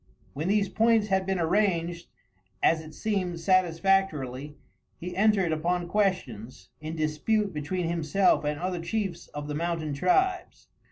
When these points had been arranged, as it seemed, satisfactorily, he entered upon questions in dispute between himself and other chiefs of the mountain tribes.